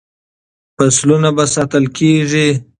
فصلونه به ساتل کیږي.